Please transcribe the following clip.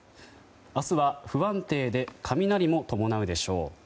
明日は不安定で雷も伴うでしょう。